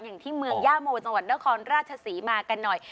อย่างที่เมืองย่าโมจังหวัดนครราชศรีมากันหน่อย